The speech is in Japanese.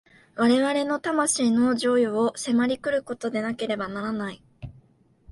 我々の魂の譲与を迫り来ることでなければならない。